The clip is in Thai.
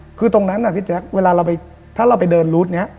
คือตรงนั้นพี่แจ๊คเวลาเราไปถ้าเราไปเดินรูดนี้